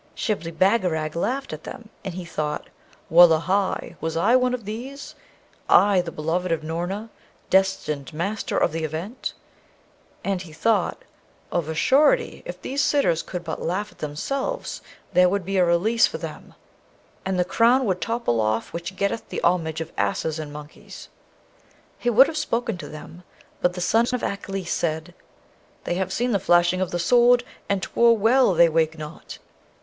Shibli Bagarag laughed at them, and he thought, 'Wullahy! was I one of these? I, the beloved of Noorna, destined Master of the Event!' and he thought, 'Of a surety, if these sitters could but laugh at themselves, there would be a release for them, and the crown would topple off which getteth the homage of asses and monkeys!' He would have spoken to them, but the sons of Aklis said, 'They have seen the flashing of the Sword, and 'twere well they wake not.'